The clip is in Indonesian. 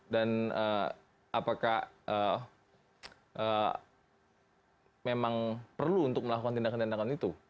dan apakah memang perlu untuk melakukan tindakan tindakan itu